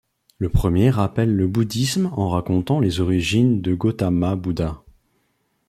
Le premier rappelle le bouddhisme en racontant les origines de Gautama Buddha.